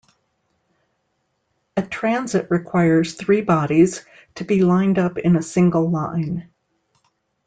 A transit requires three bodies to be lined up in a single line.